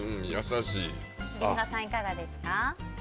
リンゴさん、いかがですか？